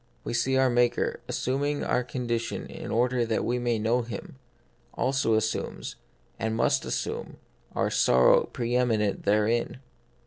We see that our Maker, assuming our condition in order that we may know Him, also assumes, and must assume, our sorrow, pre eminent therein.